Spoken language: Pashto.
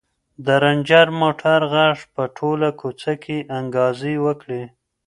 د رنجر موټر غږ په ټوله کوڅه کې انګازې وکړې.